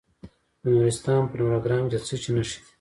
د نورستان په نورګرام کې د څه شي نښې دي؟